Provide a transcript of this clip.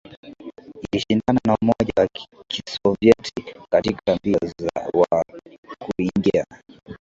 ilishindana na Umoja wa Kisovyeti katika mbio wa kuingia